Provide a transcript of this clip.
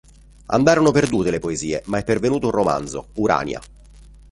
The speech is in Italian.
Andarono perdute le poesie, ma è pervenuto un romanzo, "Urania".